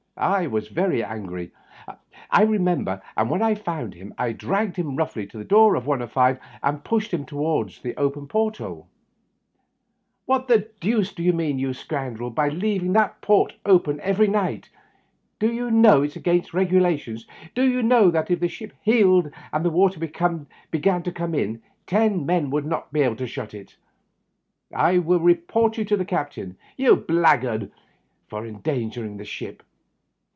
I was very angry, I remember, and when I found him I dragged him roughly to the door of 105, and pushed him toward the open port hole. Digitized byVjOOQlC 34 THE UPPER BERTH. "What the deuce do you mean, you scoundrel, by leaving that port open every night ? Do you know it is against the regulations ? Do you know that if the ship heeled and the water began to come in, ten men could not shut it ? I will report you to the captain, you black guard, for endangering the ship